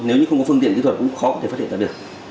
nếu như không có phương tiện kỹ thuật cũng khó để phát hiện ra được